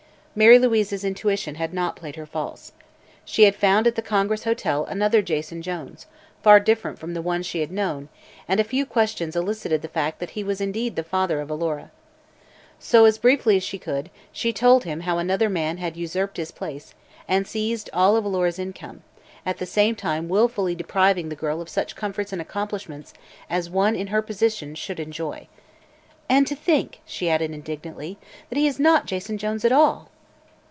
Mary Louise's intuition had not played her false. She had found at the Congress Hotel another Jason Jones, far different from the one she had known, and a few questions elicited the fact that he was indeed the father of Alora. So, as briefly as she could, she told him how another man had usurped his place and seized all of Alora's income, at the same time willfully depriving the girl of such comforts and accomplishments as one in her position should enjoy. "And to think," she added indignantly, "that he is not Jason Jones at all!"